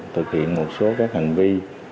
thực hiện một số các hành vi